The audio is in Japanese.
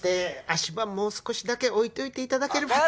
足場もう少しだけ置いといていただければと。